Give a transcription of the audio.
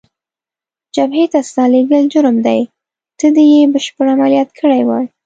جبهې ته ستا لېږل جرم دی، ته دې یې بشپړ عملیات کړی وای.